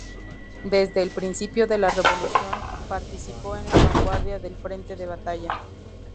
Desde el principio de la revolución, participó en la vanguardia del frente de batalla.